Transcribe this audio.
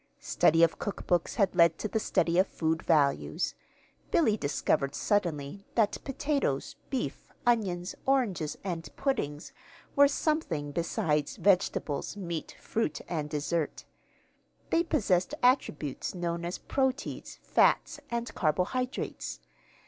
Study of cookbooks had led to the study of food values. Billy discovered suddenly that potatoes, beef, onions, oranges, and puddings were something besides vegetables, meat, fruit, and dessert. They possessed attributes known as proteids, fats, and carbohydrates.